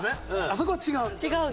あそこは違う。